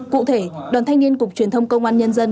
cụ thể đoàn thanh niên cục truyền thông công an nhân dân